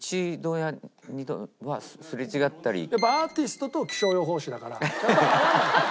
やっぱアーティストと気象予報士だから会わない。